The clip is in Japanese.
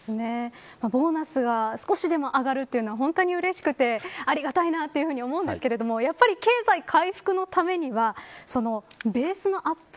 ボーナスは少しでも上がるというのは本当にうれしくてありがたいなと思うんですけどやっぱり経済回復のためにはベースのアップ